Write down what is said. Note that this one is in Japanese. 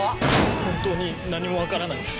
本当に何も分からないんです。